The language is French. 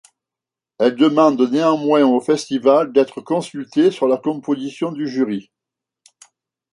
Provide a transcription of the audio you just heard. Elle demande néanmoins au Festival d'être consultée sur la composition du jury.